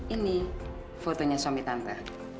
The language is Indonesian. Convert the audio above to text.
ini fotonya suami tante